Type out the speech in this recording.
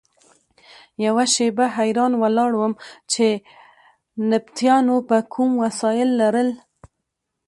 یوه شېبه حیران ولاړ وم چې نبطیانو به کوم وسایل لرل.